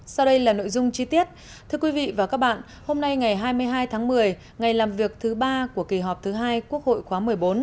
sau đây là nội dung chi tiết thưa quý vị và các bạn hôm nay ngày hai mươi hai tháng một mươi ngày làm việc thứ ba của kỳ họp thứ hai quốc hội khóa một mươi bốn